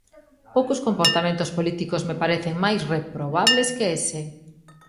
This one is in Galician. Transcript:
Poucos comportamentos políticos me parecen máis reprobables que ese.